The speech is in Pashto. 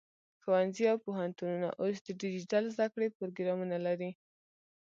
ښوونځي او پوهنتونونه اوس د ډیجیټل زده کړې پروګرامونه لري.